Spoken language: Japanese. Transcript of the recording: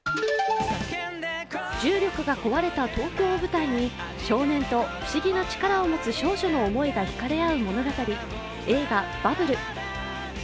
重力が壊れた東京を舞台に少年と不思議な力を持つ少女の思いが引かれ合う物語映画「バブル」。